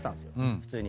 普通に。